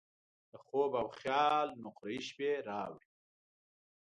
د خوب او خیال نقرهيي شپې راوړي